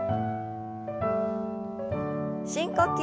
深呼吸。